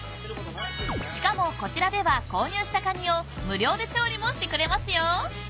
［しかもこちらでは購入したカニを無料で調理もしてくれますよ］